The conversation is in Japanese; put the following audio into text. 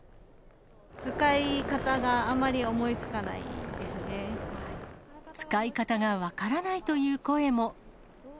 使い方があまり思いつかない使い方が分からないという声も。